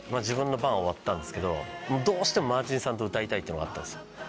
自分の番終わったんですけどどうしてもマーチンさんと歌いたいっていうのがあったんですよ。